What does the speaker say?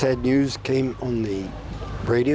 คิดว่าเกิดอะไรขึ้น